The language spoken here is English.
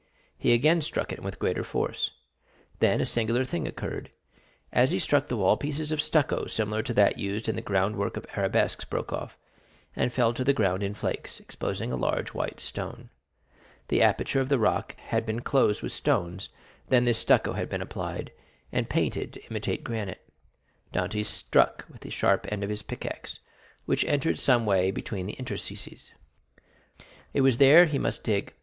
He again struck it, and with greater force. Then a singular thing occurred. As he struck the wall, pieces of stucco similar to that used in the ground work of arabesques broke off, and fell to the ground in flakes, exposing a large white stone. The aperture of the rock had been closed with stones, then this stucco had been applied, and painted to imitate granite. Dantès struck with the sharp end of his pickaxe, which entered someway between the interstices. It was there he must dig.